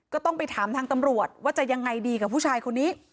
ก็ต้องไปถามทางตำรวจว่าจะยังไงดีกับผู้ชายคนนี้